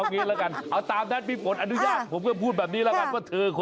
โหงสยามอายุ๓ปีครับ